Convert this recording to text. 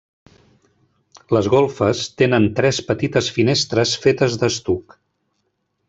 Les golfes tenen tres petites finestres fetes d'estuc.